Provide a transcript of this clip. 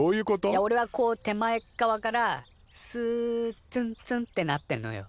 いやおれはこう手前っ側からスッツンツンッてなってんのよ。